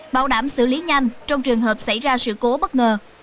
bảo đảm xử lý nhanh trong trường hợp xảy ra sự cố bất ngờ